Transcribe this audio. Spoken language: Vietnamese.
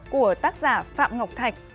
của tác giả phạm ngọc thạch